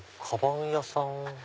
カバン屋さん？